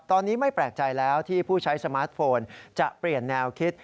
ตอนนี้ไม่แปลกใจแล้วที่ผู้ใช้สมาร์ทโฟนจะเปลี่ยนแนวคิด